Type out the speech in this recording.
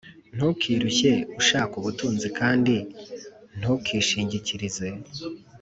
Ntukirushye ushaka ubutunzi kandi ntukishingikirize